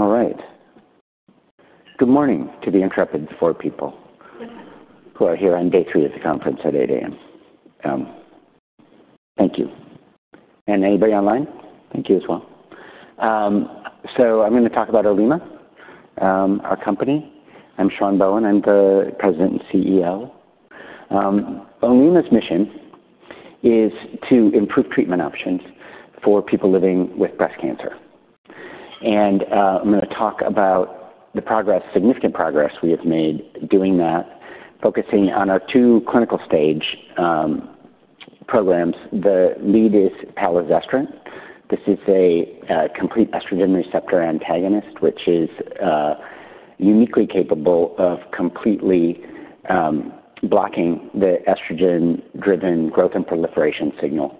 All right. Good morning to the intrepid four people who are here on day three of the conference at 8:00 A.M. Thank you. And anybody online? Thank you as well. I'm going to talk about Olema, our company. I'm Sean Bohen. I'm the President and CEO. Olema's mission is to improve treatment options for people living with breast cancer. I'm going to talk about the progress, significant progress we have made doing that, focusing on our two clinical stage programs. The lead is palazestrant. This is a complete estrogen receptor antagonist, which is uniquely capable of completely blocking the estrogen-driven growth and proliferation signal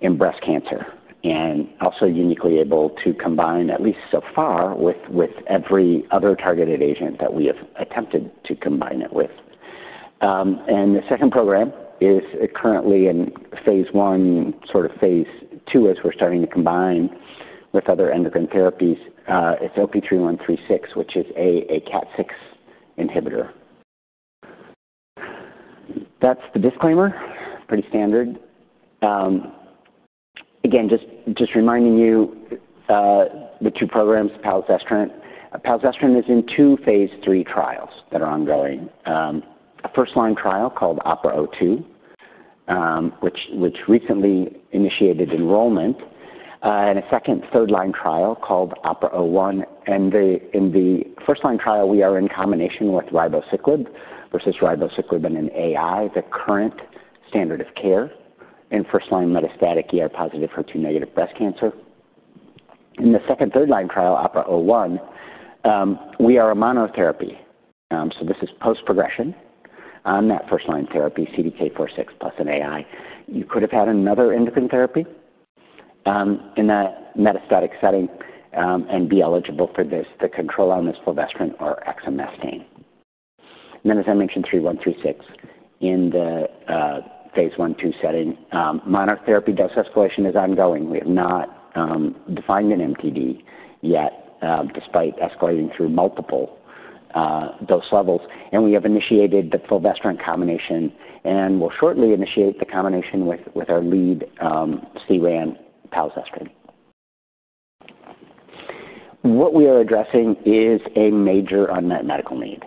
in breast cancer, and also uniquely able to combine, at least so far, with every other targeted agent that we have attempted to combine it with. The second program is currently in phase I, sort of phase II, as we're starting to combine with other endocrine therapies. It's OP-3136, which is a KAT6 inhibitor. That's the disclaimer. Pretty standard. Again, just reminding you the two programs, palazestrant. Palazestrant is in two phase III trials that are ongoing. A first-line trial called OPERA-02, which recently initiated enrollment, and a second, third-line trial called OPERA-01. In the first-line trial, we are in combination with ribociclib versus ribociclib and an AI, the current standard of care in first-line metastatic ER-positive, HER2-negative breast cancer. In the second, third-line trial, OPERA-01, we are a monotherapy. This is post-progression on that first-line therapy, CDK4/6 plus an AI. You could have had another endocrine therapy in that metastatic setting and be eligible for this, the control on this is fulvestrant or exemestane. As I mentioned, OP-3136 in the phase I/II setting. Monotherapy dose escalation is ongoing. We have not defined an MTD yet, despite escalating through multiple dose levels. We have initiated the fulvestrant combination and will shortly initiate the combination with our lead CERAN palazestrant. What we are addressing is a major unmet medical need.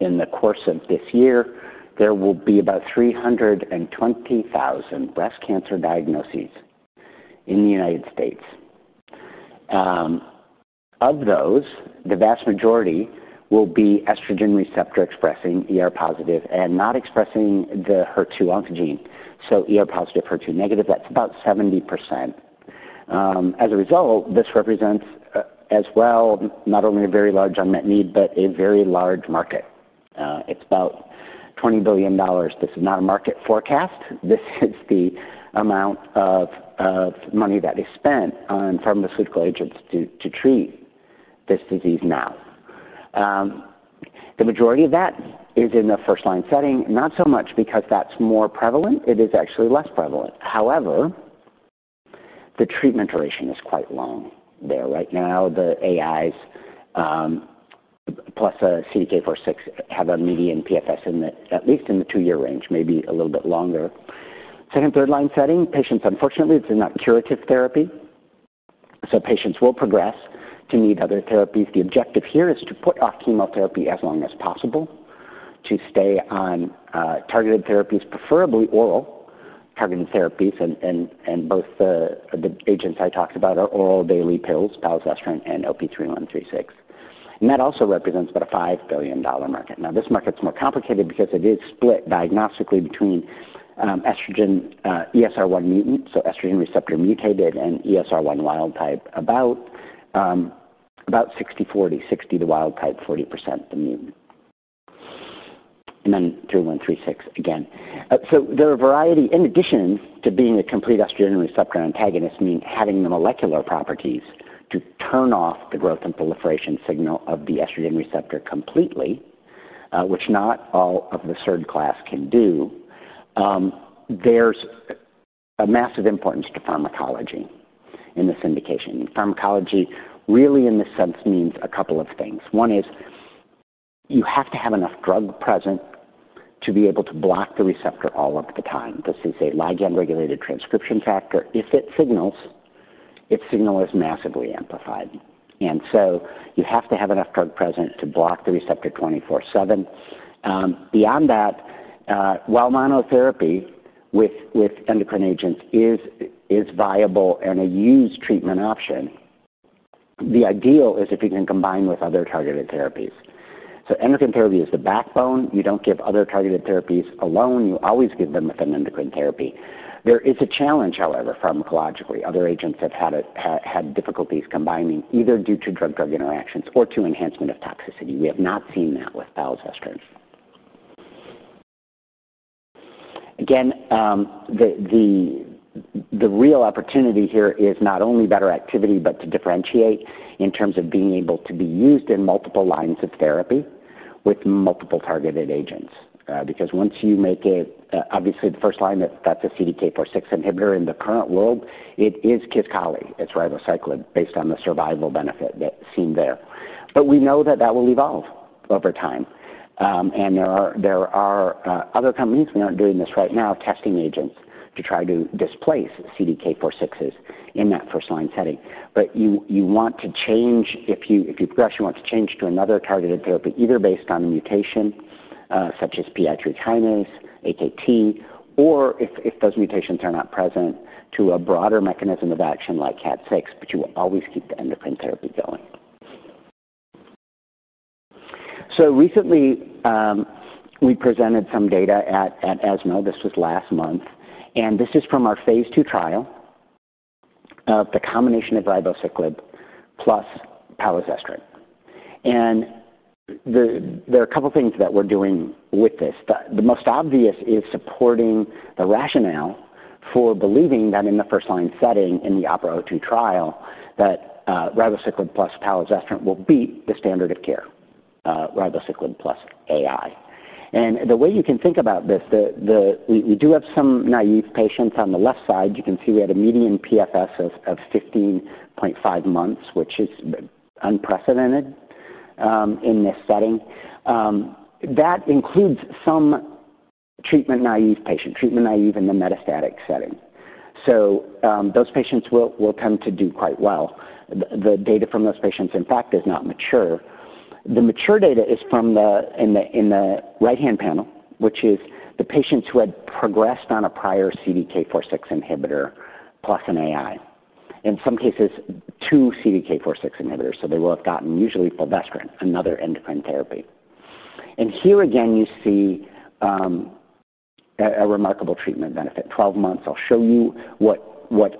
In the course of this year, there will be about 320,000 breast cancer diagnoses in the U.S. Of those, the vast majority will be estrogen receptor-expressing, ER-positive, and not expressing the HER2 oncogene. ER-positive, HER2-negative, that's about 70%. As a result, this represents as well not only a very large unmet need, but a very large market. It's about $20 billion. This is not a market forecast. This is the amount of money that is spent on pharmaceutical agents to treat this disease now. The majority of that is in the first-line setting, not so much because that's more prevalent. It is actually less prevalent. However, the treatment duration is quite long there. Right now, the AIs plus CDK4/6 have a median PFS in the at least in the two-year range, maybe a little bit longer. Second, third-line setting, patients, unfortunately, this is not curative therapy. Patients will progress to need other therapies. The objective here is to put off chemotherapy as long as possible to stay on targeted therapies, preferably oral targeted therapies, and both the agents I talked about are oral daily pills, palazestrant and OP-3136. That also represents about a $5 billion market. This market's more complicated because it is split diagnostically between estrogen ESR1 mutant, so estrogen receptor mutated, and ESR1 wild type, about 60/40, 60% the wild type, 40% the mutant. Then 3136 again. There are a variety. In addition to being a complete estrogen receptor antagonist, meaning having the molecular properties to turn off the growth and proliferation signal of the estrogen receptor completely, which not all of the third class can do, there is a massive importance to pharmacology in this indication. Pharmacology, really, in this sense, means a couple of things. One is you have to have enough drug present to be able to block the receptor all of the time. This is a ligand-regulated transcription factor. If it signals, its signal is massively amplified. You have to have enough drug present to block the receptor 24/7. Beyond that, while monotherapy with endocrine agents is viable and a used treatment option, the ideal is if you can combine with other targeted therapies. Endocrine therapy is the backbone. You do not give other targeted therapies alone. You always give them with an endocrine therapy. There is a challenge, however, pharmacologically. Other agents have had difficulties combining, either due to drug-drug interactions or to enhancement of toxicity. We have not seen that with palazestrant. Again, the real opportunity here is not only better activity, but to differentiate in terms of being able to be used in multiple lines of therapy with multiple targeted agents. Because once you make it, obviously, the first line, that's a CDK4/6 inhibitor. In the current world, it is Kisqali; it's ribociclib based on the survival benefit that's seen there. We know that that will evolve over time. There are other companies—we aren't doing this right now—testing agents to try to displace CDK4/6s in that first-line setting. You want to change if you progress, you want to change to another targeted therapy, either based on a mutation such as PI3 kinase, AKT, or if those mutations are not present, to a broader mechanism of action like KAT6, but you will always keep the endocrine therapy going. Recently, we presented some data at ESMO. This was last month. This is from our phase II trial of the combination of ribociclib plus palazestrant. There are a couple of things that we're doing with this. The most obvious is supporting the rationale for believing that in the first-line setting, in the OPERA-02 trial, ribociclib plus palazestrant will beat the standard of care, ribociclib plus AI. The way you can think about this, we do have some naive patients on the left side. You can see we had a median PFS of 15.5 months, which is unprecedented in this setting. That includes some treatment-naive patients, treatment-naive in the metastatic setting. Those patients will tend to do quite well. The data from those patients, in fact, is not mature. The mature data is from the right-hand panel, which is the patients who had progressed on a prior CDK4/6 inhibitor plus an AI, in some cases two CDK4/6 inhibitors. They will have gotten usually fulvestrant, another endocrine therapy. Here, again, you see a remarkable treatment benefit. Twelve months. I'll show you what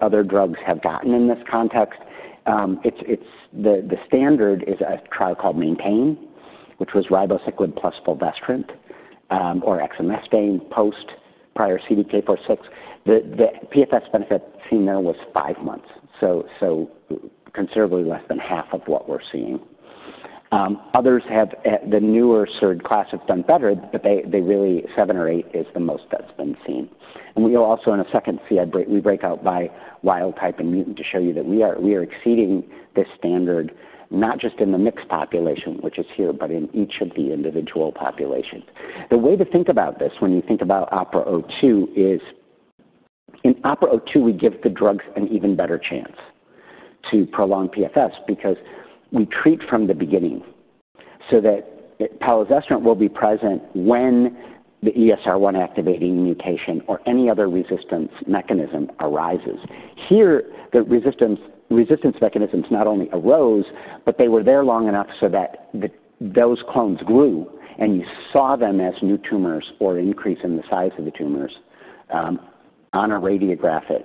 other drugs have gotten in this context. The standard is a trial called Maintaine, which was ribociclib plus fulvestrant or exemestane post prior CDK4/6. The PFS benefit seen there was five months, so considerably less than half of what we're seeing. Others, the newer third class, have done better, but really, seven or eight is the most that's been seen. We also in a second see we break out by wild type and mutant to show you that we are exceeding this standard, not just in the mixed population, which is here, but in each of the individual populations. The way to think about this when you think about OPERA-02 is in OPERA-02, we give the drugs an even better chance to prolong PFS because we treat from the beginning so that palazestrant will be present when the ESR1 activating mutation or any other resistance mechanism arises. Here, the resistance mechanisms not only arose, but they were there long enough so that those clones grew, and you saw them as new tumors or an increase in the size of the tumors on a radiographic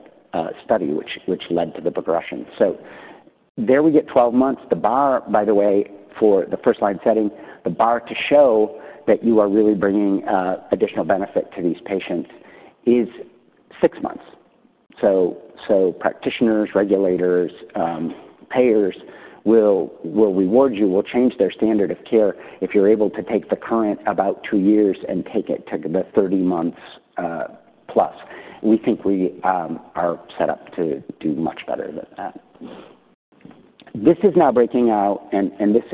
study, which led to the progression. There we get 12 months. The bar, by the way, for the first-line setting, the bar to show that you are really bringing additional benefit to these patients is six months. Practitioners, regulators, payers will reward you, will change their standard of care if you're able to take the current about two years and take it to the 30 months+. We think we are set up to do much better than that. This is now breaking out, and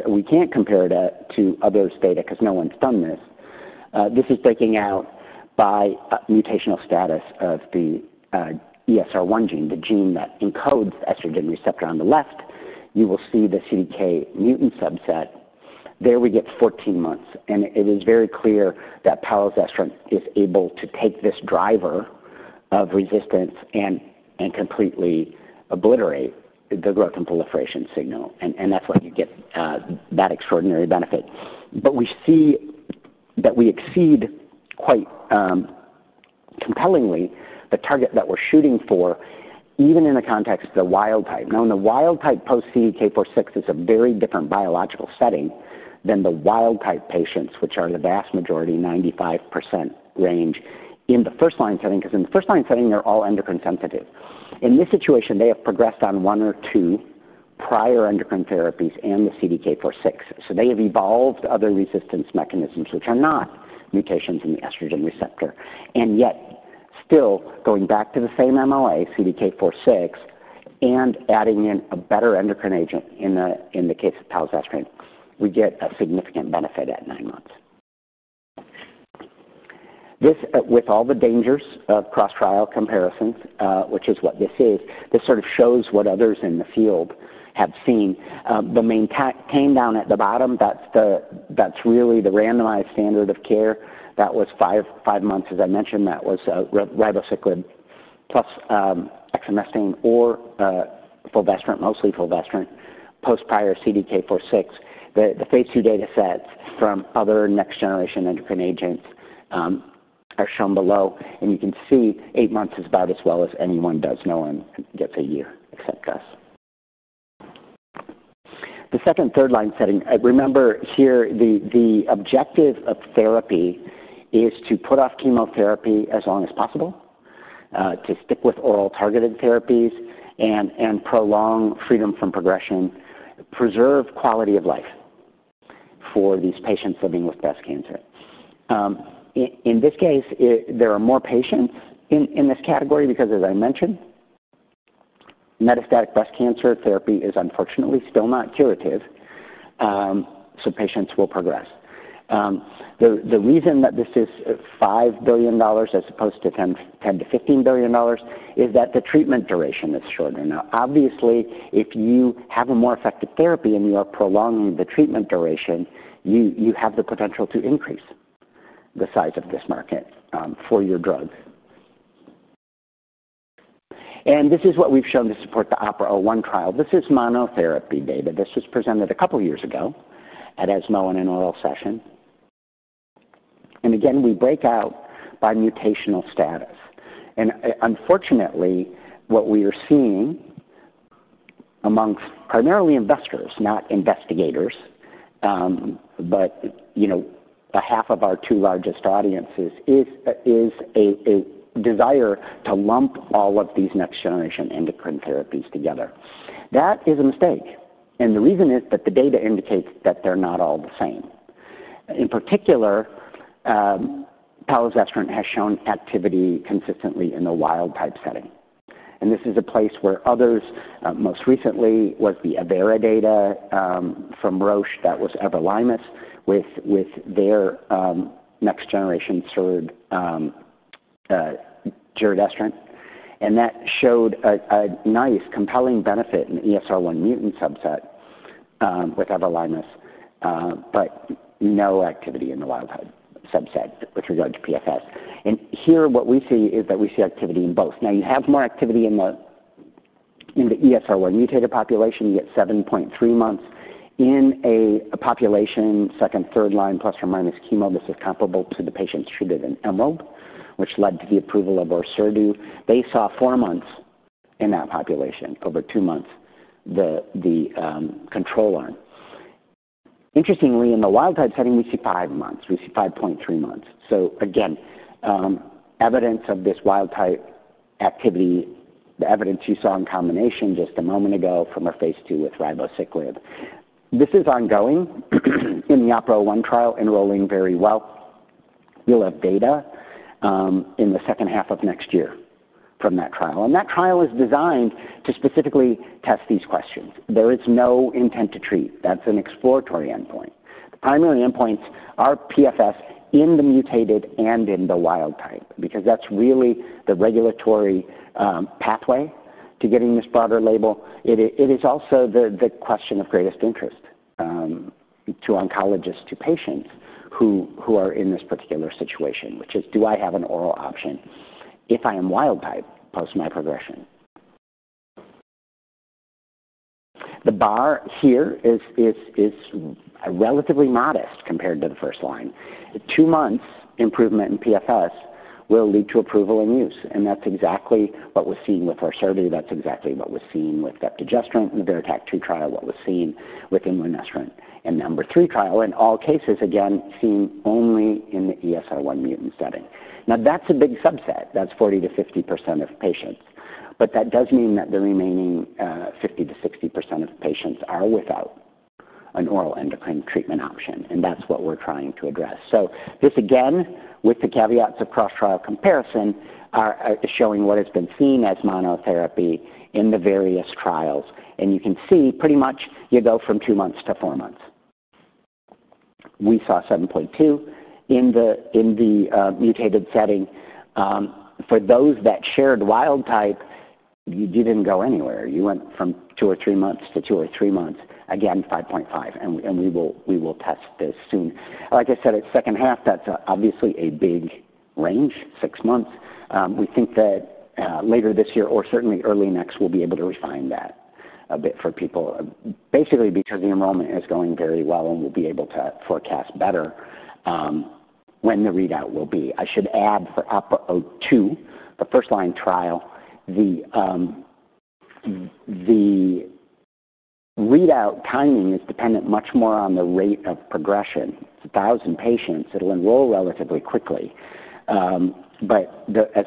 we can't compare it to others' data because no one's done this. This is breaking out by mutational status of the ESR1 gene, the gene that encodes the estrogen receptor on the left. You will see the CDK mutant subset. There we get 14 months. It is very clear that palazestrant is able to take this driver of resistance and completely obliterate the growth and proliferation signal. That's why you get that extraordinary benefit. We see that we exceed quite compellingly the target that we're shooting for, even in the context of the wild type. Now, in the wild type, post-CDK4/6 is a very different biological setting than the wild type patients, which are the vast majority, 95% range in the first-line setting because in the first-line setting, they're all endocrine sensitive. In this situation, they have progressed on one or two prior endocrine therapies and the CDK4/6. They have evolved other resistance mechanisms, which are not mutations in the estrogen receptor. Yet, still, going back to the same MLA, CDK4/6, and adding in a better endocrine agent in the case of palazestrant, we get a significant benefit at nine months. This, with all the dangers of cross-trial comparisons, which is what this is, this sort of shows what others in the field have seen. The main cane down at the bottom, that's really the randomized standard of care. That was five months, as I mentioned. That was ribociclib plus exemestane or fulvestrant, mostly fulvestrant, post prior CDK4/6. The phase II data sets from other next-generation endocrine agents are shown below. You can see eight months is about as well as anyone does. No one gets a year except us. The second, third-line setting, remember here, the objective of therapy is to put off chemotherapy as long as possible, to stick with oral targeted therapies, and prolong freedom from progression, preserve quality of life for these patients living with breast cancer. In this case, there are more patients in this category because, as I mentioned, metastatic breast cancer therapy is unfortunately still not curative, so patients will progress. The reason that this is $5 billion as opposed to $10 billion-$15 billion is that the treatment duration is shorter. Now, obviously, if you have a more effective therapy and you are prolonging the treatment duration, you have the potential to increase the size of this market for your drug. This is what we've shown to support the OPERA-01 trial. This is monotherapy data. This was presented a couple of years ago at ESMO in an oral session. Again, we break out by mutational status. Unfortunately, what we are seeing amongst primarily investors, not investigators, but a half of our two largest audiences is a desire to lump all of these next-generation endocrine therapies together. That is a mistake. The reason is that the data indicates that they're not all the same. In particular, palazestrant has shown activity consistently in the wild type setting. This is a place where others, most recently, was the data from Roche that was everolimus with their next-generation SERD giredestrant. That showed a nice compelling benefit in the ESR1 mutant subset with everolimus, but no activity in the wild type subset with regard to PFS. Here, what we see is that we see activity in both. You have more activity in the ESR1 mutated population. You get 7.3 months in a population, second, third line plus or minus chemo. This is comparable to the patients treated in EMROB, which led to the approval of our SERD. They saw four months in that population over two months, the control arm. Interestingly, in the wild type setting, we see five months. We see 5.3 months. Again, evidence of this wild type activity, the evidence you saw in combination just a moment ago from our phase II with ribociclib. This is ongoing in the OPERA-01 trial, enrolling very well. We will have data in the second half of next year from that trial. That trial is designed to specifically test these questions. There is no intent to treat. That is an exploratory endpoint. The primary endpoints are PFS in the mutated and in the wild type because that is really the regulatory pathway to getting this broader label. It is also the question of greatest interest to oncologists, to patients who are in this particular situation, which is, "Do I have an oral option if I am wild type post my progression?" The bar here is relatively modest compared to the first line. Two months' improvement in PFS will lead to approval and use. That is exactly what we are seeing with our SERD. That is exactly what we are seeing with beptagestrant in the VERITAC-2 trial, what we are seeing with imlunestrant. In number three trial, in all cases, again, seen only in the ESR1 mutant setting. Now, that is a big subset. That is 40%-50% of patients. That does mean that the remaining 50%-60% of patients are without an oral endocrine treatment option. That is what we are trying to address. This, again, with the caveats of cross-trial comparison, is showing what has been seen as monotherapy in the various trials. You can see pretty much you go from two months to four months. We saw 7.2 in the mutated setting. For those that shared wild type, you did not go anywhere. You went from two or three months to two or three months, again, 5.5. We will test this soon. Like I said, at second half, that's obviously a big range, six months. We think that later this year or certainly early next, we'll be able to refine that a bit for people, basically because the enrollment is going very well and we'll be able to forecast better when the readout will be. I should add for OPERA-02, the first-line trial, the readout timing is dependent much more on the rate of progression. It's 1,000 patients. It'll enroll relatively quickly. As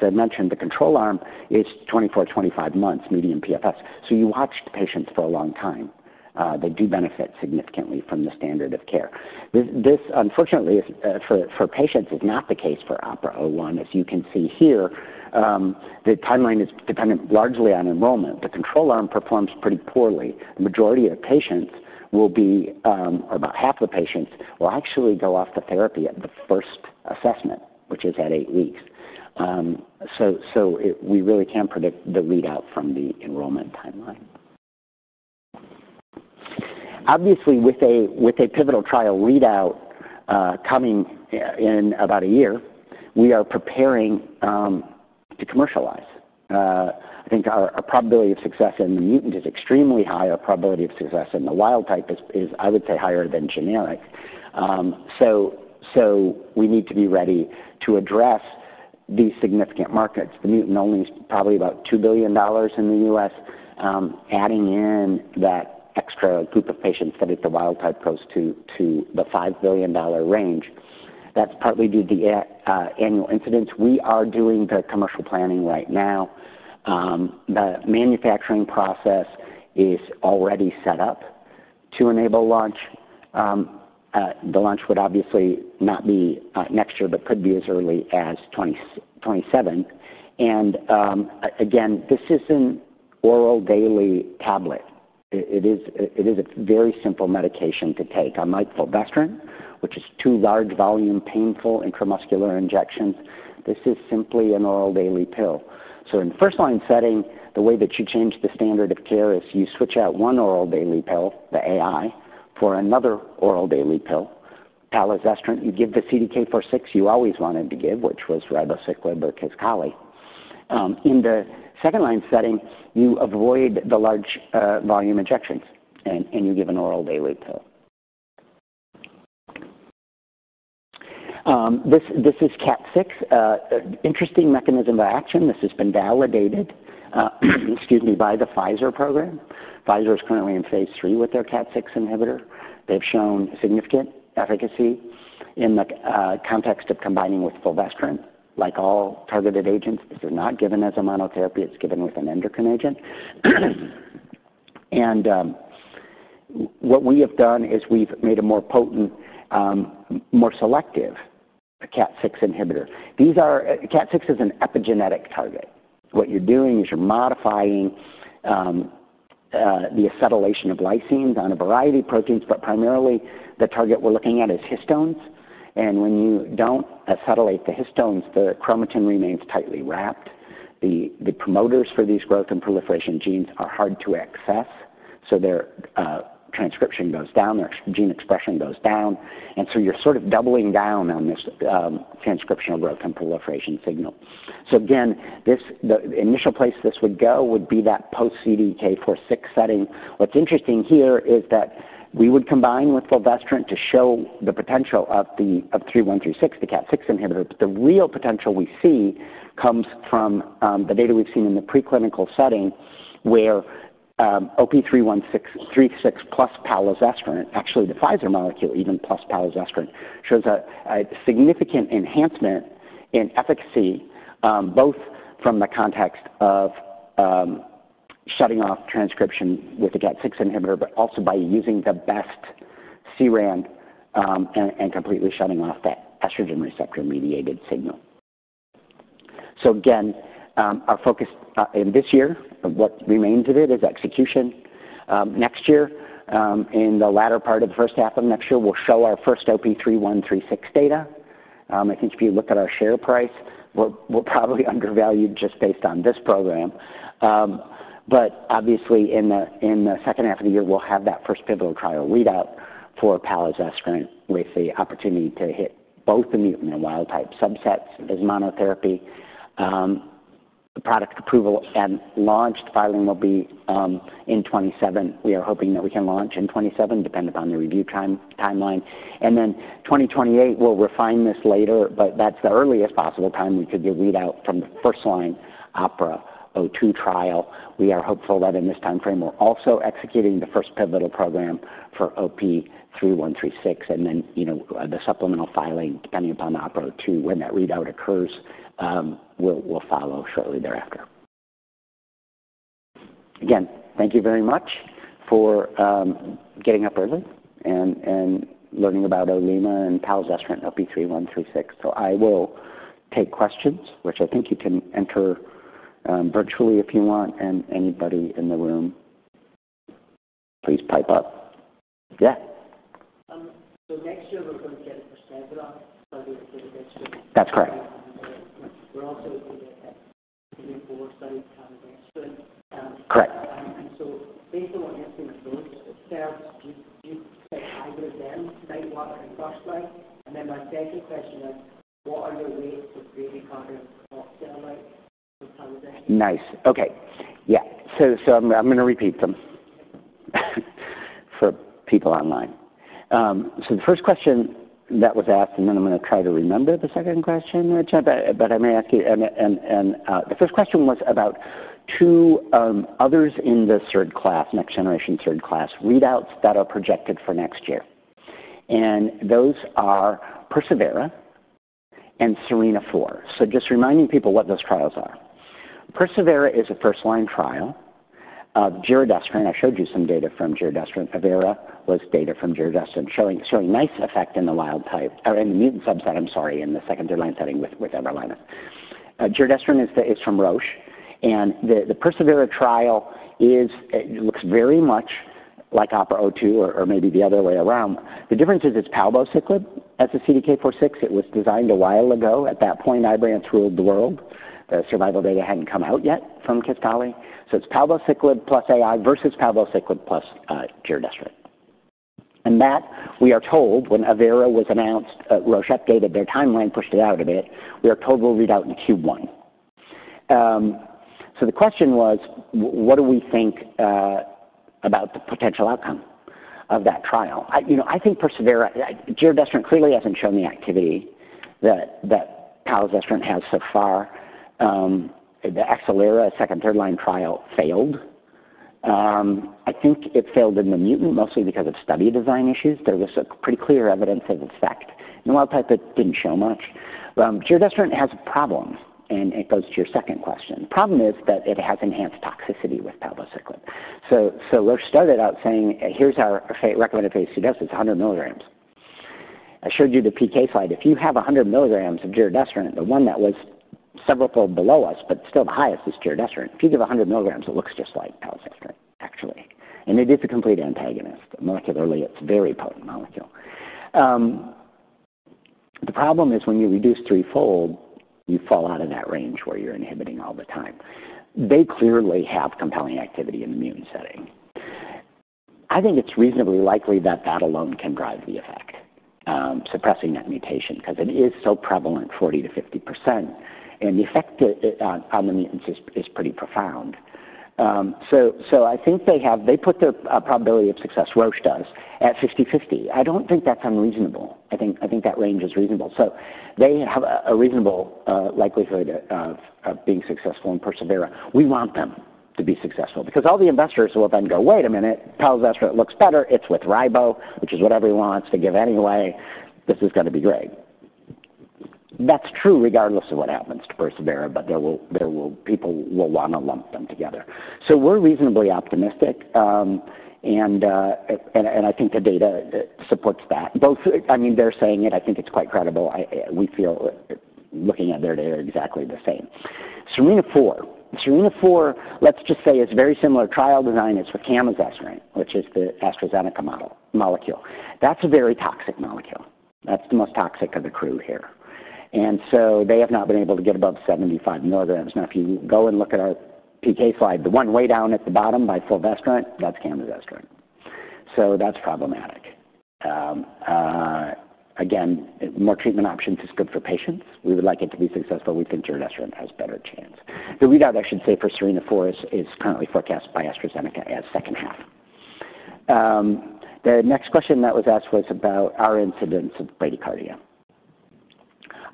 I mentioned, the control arm is 24-25 months median PFS. You watch patients for a long time. They do benefit significantly from the standard of care. This, unfortunately, for patients is not the case for OPERA-01. As you can see here, the timeline is dependent largely on enrollment. The control arm performs pretty poorly. The majority of patients will be, or about half of patients, will actually go off to therapy at the first assessment, which is at eight weeks. We really can't predict the readout from the enrollment timeline. Obviously, with a pivotal trial readout coming in about a year, we are preparing to commercialize. I think our probability of success in the mutant is extremely high. Our probability of success in the wild type is, I would say, higher than generic. We need to be ready to address these significant markets. The mutant only is probably about $2 billion in the U.S., adding in that extra group of patients that if the wild type goes to the $5 billion range. That is partly due to the annual incidence. We are doing the commercial planning right now. The manufacturing process is already set up to enable launch. The launch would obviously not be next year, but could be as early as 2027. This is an oral daily tablet. It is a very simple medication to take. Unlike fulvestrant, which is two large volume painful intramuscular injections, this is simply an oral daily pill. In the first-line setting, the way that you change the standard of care is you switch out one oral daily pill, the AI, for another oral daily pill, palazestrant. You give the CDK4/6 you always wanted to give, which was ribociclib or Kisqali. In the second-line setting, you avoid the large volume injections, and you give an oral daily pill. This is KAT6. Interesting mechanism of action. This has been validated, excuse me, by the Pfizer program. Pfizer is currently in phase III with their KAT6 inhibitor. They've shown significant efficacy in the context of combining with fulvestrant. Like all targeted agents, this is not given as a monotherapy. It's given with an endocrine agent. What we have done is we've made a more potent, more selective KAT6 inhibitor. KAT6 is an epigenetic target. What you're doing is you're modifying the acetylation of lysines on a variety of proteins, but primarily the target we're looking at is histones. When you don't acetylate the histones, the chromatin remains tightly wrapped. The promoters for these growth and proliferation genes are hard to access, so their transcription goes down, their gene expression goes down. You're sort of doubling down on this transcriptional growth and proliferation signal. The initial place this would go would be that post-CDK4/6 setting. What's interesting here is that we would combine with fulvestrant to show the potential of OP-3136, the KAT6 inhibitor. The real potential we see comes from the data we've seen in the preclinical setting where OP-3136 plus palazestrant, actually the Pfizer molecule even plus palazestrant, shows a significant enhancement in efficacy both from the context of shutting off transcription with the KAT6 inhibitor, but also by using the best CERAN and completely shutting off that estrogen receptor-mediated signal. Again, our focus in this year, what remains of it is execution. Next year, in the latter part of the first half of next year, we'll show our first OP-3136 data. I think if you look at our share price, we're probably undervalued just based on this program. Obviously, in the second half of the year, we'll have that first pivotal trial readout for palazestrant with the opportunity to hit both the mutant and wild type subsets as monotherapy. Product approval and launch filing will be in 2027. We are hoping that we can launch in 2027 dependent on the review timeline. In 2028, we'll refine this later, but that's the earliest possible time we could get readout from the first-line OPERA-02 trial. We are hopeful that in this timeframe, we're also executing the first pivotal program for OP-3136 and then the supplemental filing depending upon OPERA-02 when that readout occurs. We'll follow shortly thereafter. Again, thank you very much for getting up early and learning about Olema and palazestrant OP-3136. I will take questions, which I think you can enter virtually if you want. Anybody in the room, please pipe up. Yeah. Next year we're going to get the first trial study of the next year. That's correct. We're also looking at that three or four studies coming next year. Correct. Based on what you've seen of those itself, you said either of them might work in the first line. My second question is, what are your rates of ready product off-sale rates for palazestrant? Nice. Okay. Yeah. I'm going to repeat them for people online. The first question that was asked, and then I'm going to try to remember the second question, but I may ask you. The first question was about two others in the SERD class, next-generation SERD class readouts that are projected for next year. Those are persevERA and SERENA-4. Just reminding people what those trials are. persevERA is a first-line trial of giredestrant. I showed you some data from giredestrant. There was data from giredestrant showing nice effect in the wild type or in the mutant subset, I'm sorry, in the second-line setting with everolimus. Giredestrant is from Roche. The persevERA trial looks very much like OPERA-02 or maybe the other way around. The difference is it's palbociclib as a CDK4/6. It was designed a while ago. At that point, Ibrance ruled the world. The survival data had not come out yet from Kisqali. So it is palbociclib plus AI versus palbociclib plus giredestrant. And that we are told when OPERA was announced, Roche updated their timeline, pushed it out a bit. We are told we will read out in Q1. The question was, what do we think about the potential outcome of that trial? I think, persevERA, giredestrant clearly has not shown the activity that palazestrant has so far. The acelERA, second, third line trial failed. I think it failed in the mutant mostly because of study design issues. There was pretty clear evidence of effect. In the wild type, it did not show much. Giredestrant has a problem, and it goes to your second question. The problem is that it has enhanced toxicity with palbociclib. Roche started out saying, "Here's our recommended phase II dose, it's 100 mg." I showed you the PK slide. If you have 100 mg of giredestrant, the one that was several pills below us, but still the highest is giredestrant. If you give 100 mg, it looks just like palazestrant, actually. And it is a complete antagonist. Molecularly, it's a very potent molecule. The problem is when you reduce threefold, you fall out of that range where you're inhibiting all the time. They clearly have compelling activity in the mutant setting. I think it's reasonably likely that that alone can drive the effect, suppressing that mutation because it is so prevalent, 40%-50%. And the effect on the mutants is pretty profound. I think they put their probability of success, Roche does, at 50/50. I don't think that's unreasonable. I think that range is reasonable. They have a reasonable likelihood of being successful in persevERA. We want them to be successful because all the investors will then go, "Wait a minute, palazestrant looks better. It's with ribo, which is what everyone wants to give anyway. This is going to be great." That's true regardless of what happens to persevERA, but people will want to lump them together. We're reasonably optimistic. I think the data supports that. I mean, they're saying it. I think it's quite credible. We feel looking at their data exactly the same. SERENA-4. SERENA-4, let's just say it's very similar trial design. It's for camizestrant, which is the AstraZeneca molecule. That's a very toxic molecule. That's the most toxic of the crew here. They have not been able to get above 75 mg. Now, if you go and look at our PK slide, the one way down at the bottom by fulvestrant, that's camizestrant. That's problematic. Again, more treatment options is good for patients. We would like it to be successful. We think giredestrant has a better chance. The readout, I should say, for SERENA-4 is currently forecast by AstraZeneca as second half. The next question that was asked was about our incidence of bradycardia.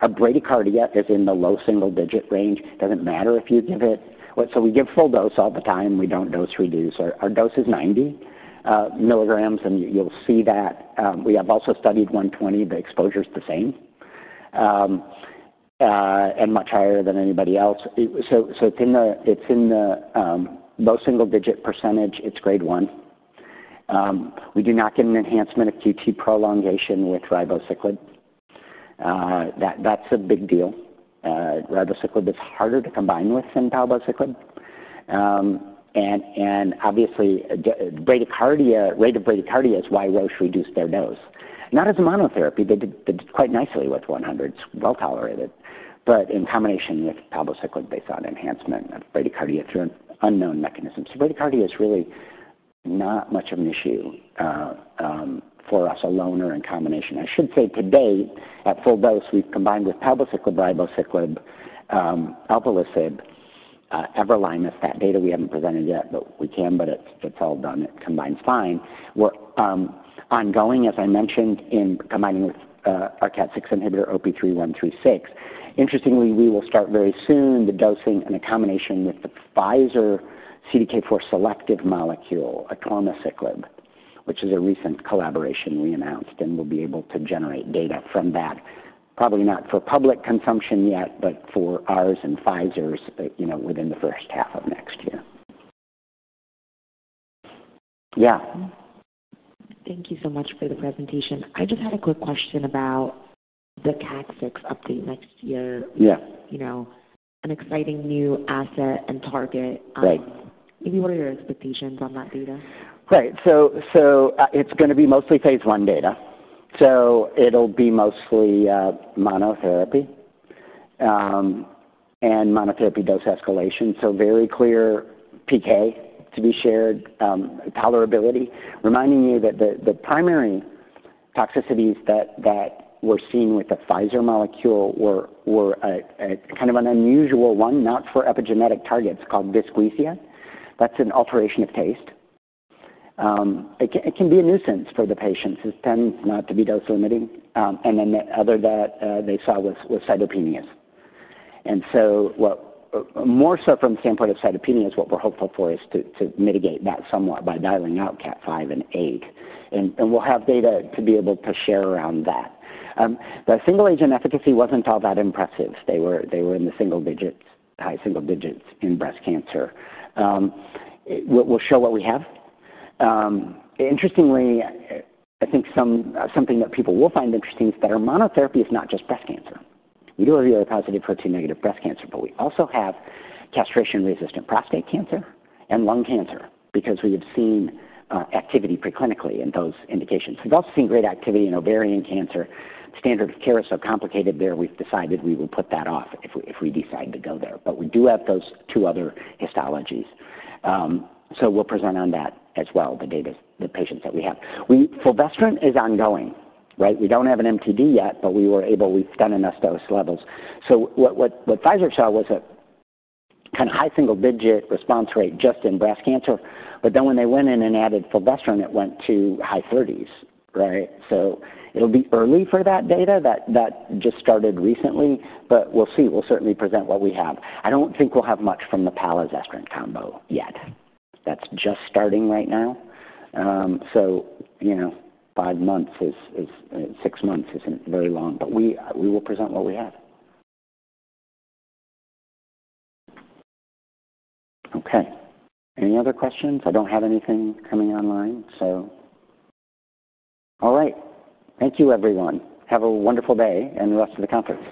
Our bradycardia is in the low single-digit range. It doesn't matter if you give it. We give full dose all the time. We don't dose reduce. Our dose is 90 milligrams, and you'll see that. We have also studied 120. The exposure is the same and much higher than anybody else. It's in the low single-digit percentage. It's grade 1. We do not get an enhancement of QT prolongation with ribociclib. That's a big deal. Ribociclib is harder to combine with than palbociclib. Obviously, rate of bradycardia is why Roche reduced their dose. Not as a monotherapy. They did quite nicely with 100. It's well tolerated. In combination with palbociclib, they saw an enhancement of bradycardia through an unknown mechanism. Bradycardia is really not much of an issue for us alone or in combination. I should say today at full dose, we've combined with palbociclib, ribociclib, alpelisib, everolimus. That data we haven't presented yet, but we can, but it's all done. It combines fine. We're ongoing, as I mentioned, in combining with our KAT6 inhibitor, OP-3136. Interestingly, we will start very soon the dosing in a combination with the Pfizer CDK4 selective molecule, atirmociclib, which is a recent collaboration we announced, and we'll be able to generate data from that. Probably not for public consumption yet, but for ours and Pfizer's within the first half of next year. Yeah. Thank you so much for the presentation. I just had a quick question about the KAT6 update next year. Yeah. An exciting new asset and target. Right. Maybe what are your expectations on that data? Right. It is going to be mostly phase I data. It will be mostly monotherapy and monotherapy dose escalation. Very clear PK to be shared, tolerability. Reminding you that the primary toxicities that were seen with the Pfizer molecule were kind of an unusual one, not for epigenetic targets, called dysgeusia. That is an alteration of taste. It can be a nuisance for the patients. It tends not to be dose limiting. The other that they saw was cytopenias. More so from the standpoint of cytopenias, what we are hopeful for is to mitigate that somewhat by dialing out KAT6 and 8. We will have data to be able to share around that. The single-agent efficacy was not all that impressive. They were in the single digits, high single digits in breast cancer. We will show what we have. Interestingly, I think something that people will find interesting is that our monotherapy is not just breast cancer. We do have ER-positive/HER2-negative breast cancer, but we also have castration-resistant prostate cancer and lung cancer because we have seen activity preclinically in those indications. We've also seen great activity in ovarian cancer. Standard of care is so complicated there, we've decided we will put that off if we decide to go there. We do have those two other histologies. We will present on that as well, the data, the patients that we have. Fulvestrant is ongoing, right? We do not have an MTD yet, but we were able, we've done enough dose levels. What Pfizer saw was a kind of high single-digit response rate just in breast cancer. When they went in and added fulvestrant, it went to high 30s, right? It'll be early for that data that just started recently, but we'll see. We'll certainly present what we have. I don't think we'll have much from the palazestrant combo yet. That's just starting right now. Five months or six months isn't very long, but we will present what we have. Okay. Any other questions? I don't have anything coming online, so. All right. Thank you, everyone. Have a wonderful day and the rest of the conference.